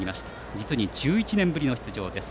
実に１１年ぶりの出場です。